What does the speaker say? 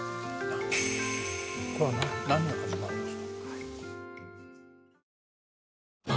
これは何が始まるんですか？